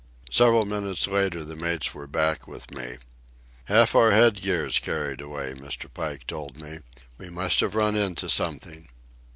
Several minutes later the mates were back with me. "Half our head gear's carried away," Mr. Pike told me. "We must have run into something."